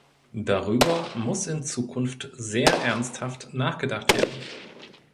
Darüber muss in Zukunft sehr ernsthaft nachgedacht werden.